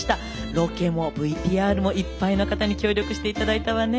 ロケもＶＴＲもいっぱいの方に協力して頂いたわね。